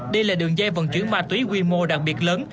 đây là đường dây vận chuyển ma túy quy mô đặc biệt lớn